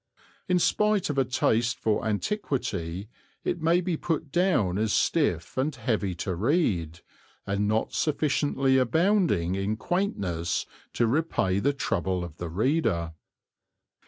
In spite of a taste for antiquity it may be put down as stiff and heavy to read, and not sufficiently abounding in quaintness to repay the trouble of the reader.